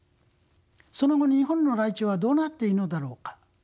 その後日本のライチョウはどうなっているのだろうか？